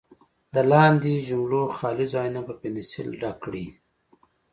د لاندې جملو خالي ځایونه په پنسل ډک کړئ.